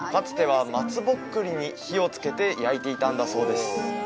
つては松ぼっくりに火をつけて焼いていたんだそうです